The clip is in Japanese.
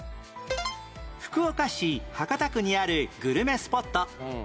福岡市博多区にあるグルメスポット